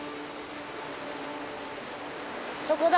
そこだ。